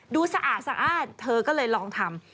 ดูสะอาดเธอก็เลยลองทำ